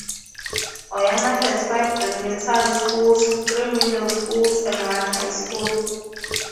Oyama has five elementary schools, three middle schools and one high school.